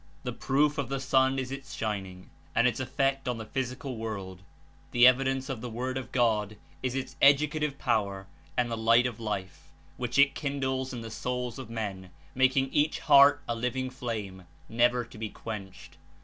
The proof of the sun is its shining and Its effect on the physical world; the evidence of the Word of God is Its educative power and the light of Life, which It kindles In the souls of men, making each heart a living flame, never to be quenched.